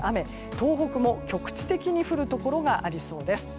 東北も局地的に降るところがありそうです。